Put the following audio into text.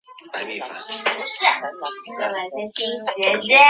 室町幕府末期幕臣。